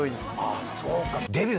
あぁそうか。